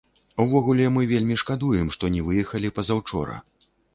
Увогуле, мы вельмі шкадуем, што не выехалі пазаўчора.